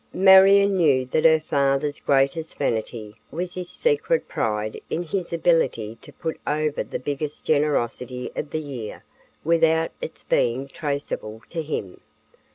Marion knew that her father's greatest vanity was his secret pride in his ability to put over the biggest generosity of the year without its being traceable to him.